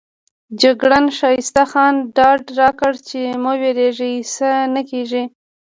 جګړن ښایسته خان ډاډ راکړ چې مه وېرېږئ څه نه کېږي.